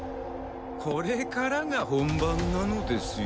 これからが本番なのですよ。